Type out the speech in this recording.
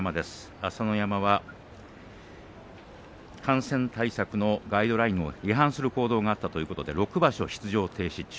朝乃山は感染対策のガイドラインを違反する行動があったということで６場所出場停止中。